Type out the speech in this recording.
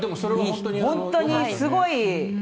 本当にすごい。